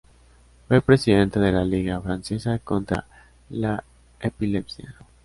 Fue presidenta de la liga francesa contra la epilepsia.